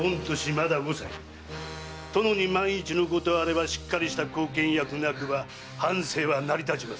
まだ五歳殿に万一のことあればしっかりした後見役なくば藩政は成り立ちません。